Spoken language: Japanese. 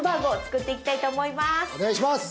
お願いします